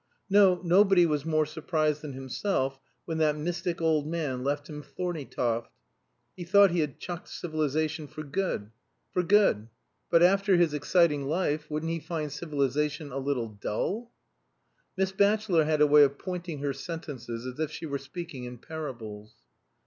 No, nobody was more surprised than himself when that mystic old man left him Thorneytoft. He thought he had chucked civilization for good. For good? But after his exciting life wouldn't he find civilization a little dull? (Miss Batchelor had a way of pointing her sentences as if she were speaking in parables.)